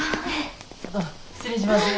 失礼します。